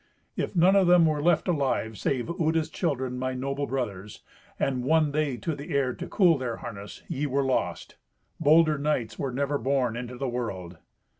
If none of them were left alive save Uta's children, my noble brothers, and won they to the air to cool their harness, ye were lost. Bolder knights were never born into the world."